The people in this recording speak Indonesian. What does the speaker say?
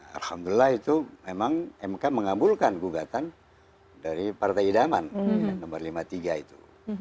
alhamdulillah itu memang mk mengabulkan gugatan dari partai idaman nomor lima puluh tiga itu